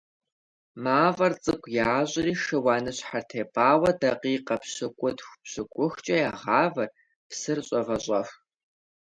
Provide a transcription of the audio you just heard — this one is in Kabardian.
МафIэр цIыкIу ящIри шыуаныщхьэр тепIауэ дакъикъэ пщыкIутху-пщыкıухкIэ ягъавэ псыр щIэвэщIэху.